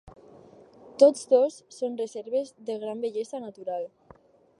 Tots dos són reserves de gran bellesa natural.